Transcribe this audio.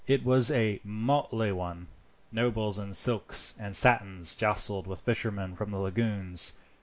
It was a motley one. Nobles in silks and satins jostled with fishermen of the lagoons.